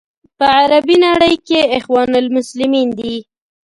په عربي نړۍ کې اخوان المسلمین دي.